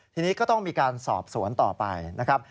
ทีนี้ก็ต้องมีการสอบสวนต่อไปนะครับ